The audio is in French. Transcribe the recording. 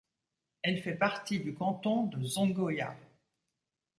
Elle fait partie du canton de Zongoya.